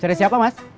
cari siapa mas